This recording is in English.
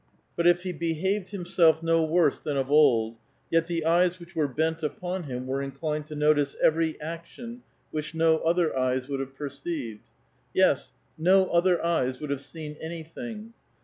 But if he behaved himself no worae than of old, yet the eyes which were bent upon him were inclined to notice every action which no other eyes would have perceived. Yes ; no other eyes would have seen anything.